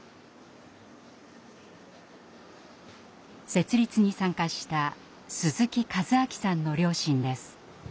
設立に参加した鈴木和明さんの両親です。